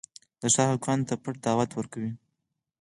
د ښار هلکانو ته پټ دعوت ورکوي.